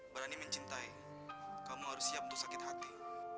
berani mencintai kamu harus siap untuk sakit hati